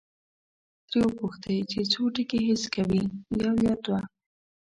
ترې وپوښتئ چې څو ټکي حس کوي، یو یا دوه؟